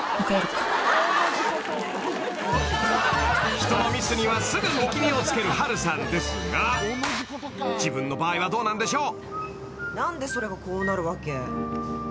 ［人のミスにはすぐ見切りをつける波瑠さんですが自分の場合はどうなんでしょう］